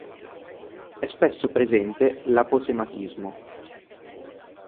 È spesso presente l'aposematismo.